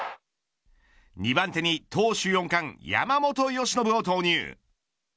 ２番手に投手４冠山本由伸を投入。